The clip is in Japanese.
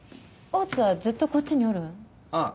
大津はずっとこっちにおるん？